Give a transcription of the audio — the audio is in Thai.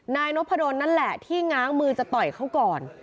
นายนพดลนั่นแหละที่ง้างมือจะต่อยเขาก่อน